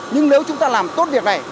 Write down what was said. nhưng nếu chúng ta làm tốt việc này